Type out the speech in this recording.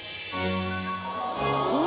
うわ！